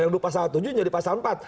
yang dulu pasal tujuh menjadi pasal empat